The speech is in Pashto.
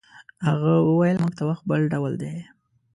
هغه وویل موږ ته وخت بل ډول دی.